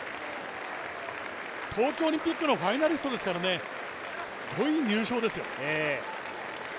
東京オリンピックのファイナリストですからね、５位入賞ですよ。